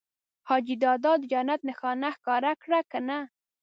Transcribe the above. حاجي دادا د جنت نښانه ښکاره کړه که نه؟